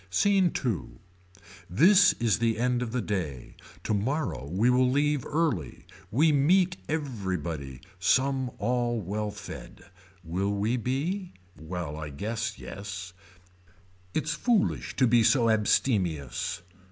SCENE II. This is the end of the day. Tomorrow we will leave early. We meet everybody. Some all well fed. Will we be. Well I guess yes. It's foolish to be so abstemious.